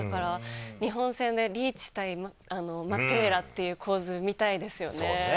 日本戦でリーチ対マテーラという構図が見たいですよね。